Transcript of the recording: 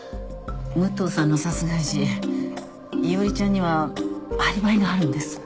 武藤さんの殺害時伊織ちゃんにはアリバイがあるんです。